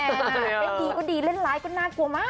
เล่นดีก็ดีเล่นร้ายก็น่ากลัวมาก